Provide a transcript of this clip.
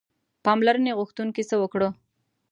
پاملرنې غوښتونکي څه وکړو.